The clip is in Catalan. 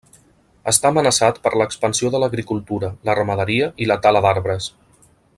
Està amenaçat per l'expansió de l'agricultura, la ramaderia i la tala d'arbres.